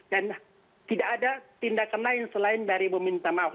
dan tidak ada tindakan lain selain dari meminta maaf